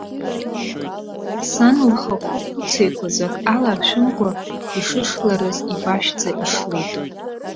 Сан лхахәы хәыц еиқәаҵәак аларшәымкәа ишышларыз ипашәӡа ишлеит.